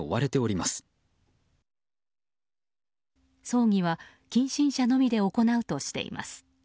葬儀は近親者のみで行うとしています。